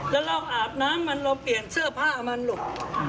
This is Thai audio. แล้วเราอาบน้ำมันเราเปลี่ยนเสื้อผ้ามันลูก